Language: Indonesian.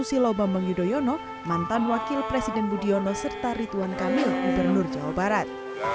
silobam bangidoyono mantan wakil presiden budiono serta rituan kamil gubernur jawa barat